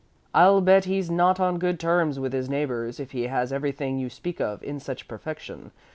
"I'll bet he's not on good terms with his neighbors if he has everything you speak of in such perfection.